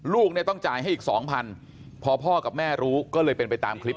ลูกเนี่ยต้องจ่ายให้อีกสองพันพอพ่อกับแม่รู้ก็เลยเป็นไปตามคลิป